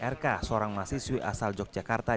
rk seorang mahasiswi asal yogyakarta